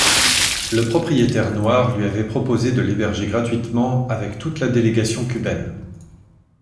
Le propriétaire noir lui avait proposé de l'héberger gratuitement, avec toute la délégation cubaine.